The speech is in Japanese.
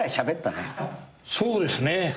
そうですね。